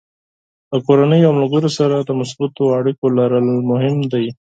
له کورنۍ او ملګرو سره د مثبتو اړیکو لرل مهم دي.